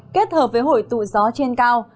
kết hợp với hội tụ gió trên cao